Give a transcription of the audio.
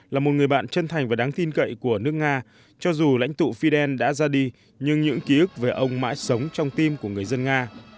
là một người bạn chân thành và đáng tin cậy của nước nga cho dù lãnh tụ fidel đã ra đi nhưng những ký ức về ông mãi sống trong tim của người dân nga